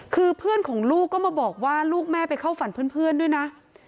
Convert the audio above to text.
คือเพื่อนของลูกก็มาบอกว่าลูกแม่ไปเข้าฝันเพื่อนด้วยนะ